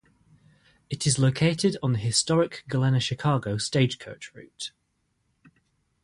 It is located on the historic Galena-Chicago stagecoach route.